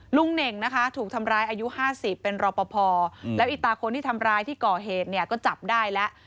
เน่งนะคะถูกทำร้ายอายุ๕๐เป็นรอปภแล้วอีตาคนที่ทำร้ายที่ก่อเหตุเนี่ยก็จับได้แล้ว